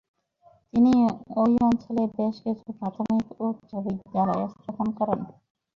তিনি ঐ অঞ্চলে বেশ কিছু প্রাথমিক ও উচ্চ বিস্যালয় স্থাপন করেন।